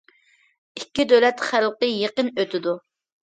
ئىككى دۆلەت خەلقى يېقىن ئۆتىدۇ.